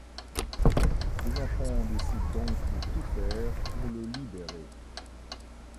Les enfants décident donc de tout faire pour le libérer.